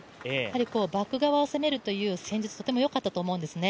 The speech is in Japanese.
バック側を攻めるという戦術、とてもよかったと思うんです。